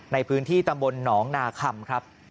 ในพื้นที่ตำบลหนองนาคำครับ